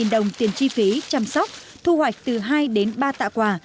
một trăm năm mươi đồng tiền chi phí chăm sóc thu hoạch từ hai đến ba tạ quả